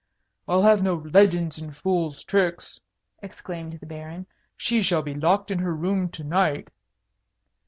"I'll have no legends and fool's tricks," exclaimed the Baron. "She shall be locked in her room to night."